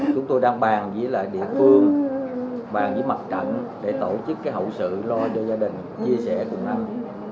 chúng tôi đang bàn với lại địa phương bàn với mặt trận để tổ chức hậu sự lo cho gia đình chia sẻ cùng anh